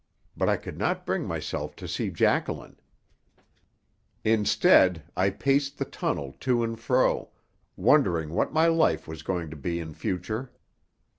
But I could not bring myself to see Jacqueline. Instead, I paced the tunnel to and fro, wondering what my life was going to be in future.